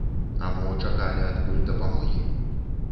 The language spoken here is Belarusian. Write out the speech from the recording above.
А мо чакалі адкуль дапамогі?